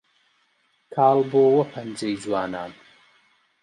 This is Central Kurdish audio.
کاڵ بۆوە پەنجەی جوانان